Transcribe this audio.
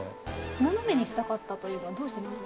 斜めにしたかったというのはどうして斜めに？